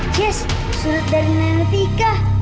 yes surat dari nenek ika